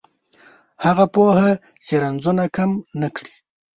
هغه پوهه چې رنځونه کم نه کړي